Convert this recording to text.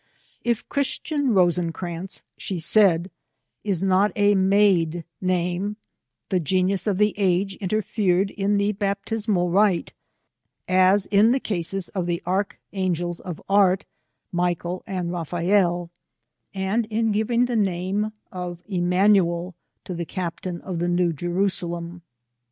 '^ If Christian Rosencrantz/^ she said, " is not a made name, the genius of the age interfered in the baptismal rite, as in the cases of the archangels of art, Michael and Raphael, and in giving the name of Emanuel to the captain of the New Jerusalem.